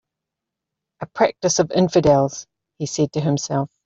"A practice of infidels," he said to himself.